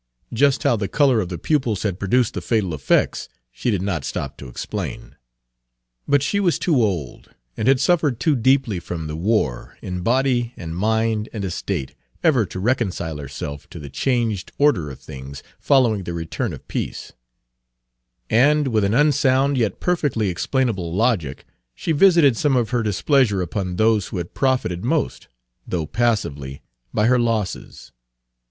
Just how the color of the pupils had produced the fatal effects she did not stop to explain. But she was too old, and had suffered too deeply from the war, in body and mind and estate, ever to reconcile herself to the changed order of things following the return of peace; and, with an unsound yet perfectly explainable logic, she visited some of her displeasure upon those who had profited most, though passively, by her losses.